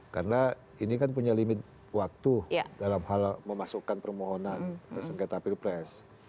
karena ini kan punya limit waktu dalam hal memasukkan permohonan tersegit apel pres